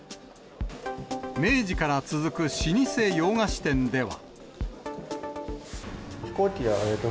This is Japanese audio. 明治から続く老舗洋菓子店では。